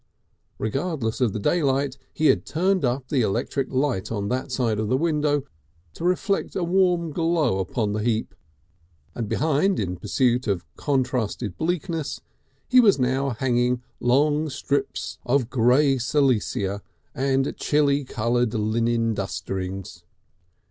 Regardless of the daylight he had turned up the electric light on that side of the window to reflect a warm glow upon the heap, and behind, in pursuit of contrasted bleakness, he was now hanging long strips of grey silesia and chilly coloured linen dusterings.